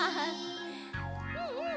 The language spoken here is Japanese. うんうん！